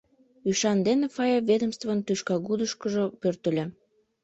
Ӱшан дене Фая ведомствын тӱшкагудышкыжо пӧртыльӧ.